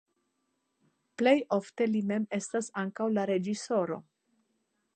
Plej ofte li mem estas ankaŭ la reĝisoro.